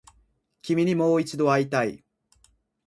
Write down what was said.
君にもう一度会いたい